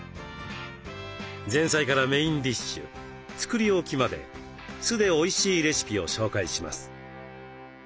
前菜からメインディッシュ作り置きまで酢でおいしいレシピを紹介します。